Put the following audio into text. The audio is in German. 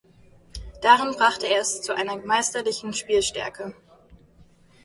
Darin brachte er es zu einer meisterlichen Spielstärke.